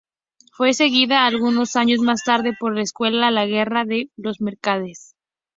Fue seguida algunos años más tarde por una secuela: "La guerra de los mercaderes".